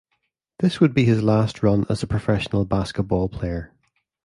This would be his last run as a professional basketball player.